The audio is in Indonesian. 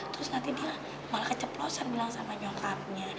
terus nanti dia malah keceplosan bilang sama jokarnya